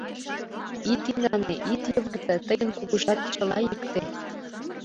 «Ит инане, ит йывырте Тыйын кугыжат чыла икте